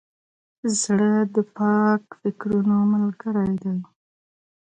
زړه د پاک فکرونو ملګری دی.